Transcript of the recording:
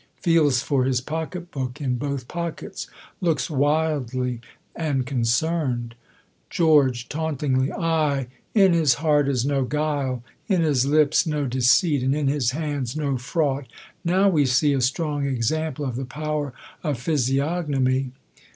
IFcelsfor his pocket book in hoik 'pockets, looks zoildly and concerned.^ Geor^ [Tauntingly,} ^Y^^ *' i" ^'^^ heart is no fuile, in his lips no deceit, and in his hands no fraud ! fow we see a strong example of the power of physi ognomy